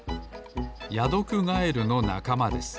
ヤドクガエルのなかまです。